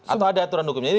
atau ada aturan hukumnya